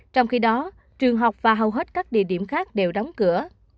trong khi đó trường học và hầu hết các địa điểm khác đều đóng cửa